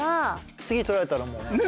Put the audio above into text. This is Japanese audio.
次取られたらもうね。